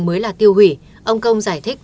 mới là tiêu hủy ông công giải thích